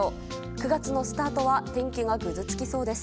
９月のスタートは天気がぐずつきそうです。